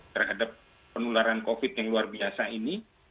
terhadap penularan covid yang luar biasa ini